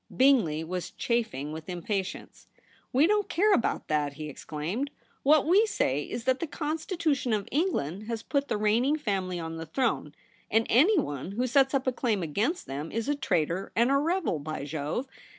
Bingley was chafing with impatience. * We don't care about that,' he exclaimed. ' What we say is that the Constitution of England has put the reigning family on the throne, and anyone who sets up a claim against them is a traitor and a rebel, by Jove